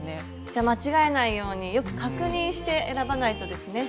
じゃ間違えないようによく確認して選ばないとですね。